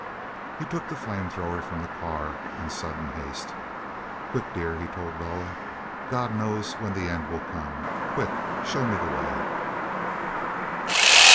He took the flame thrower from the car in sudden haste. "Quick, dear," he told Loah. "God knows when the end will come. Quick, show me the way."